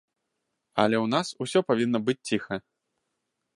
Але ў нас усё павінна быць ціха.